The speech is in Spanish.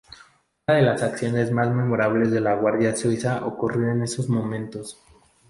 Una de las acciones más memorables de la Guardia Suiza ocurrió en esos momentos.